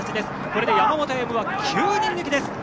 これで山本歩夢は９人抜きです。